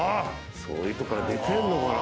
そういうとこから出てるのかな。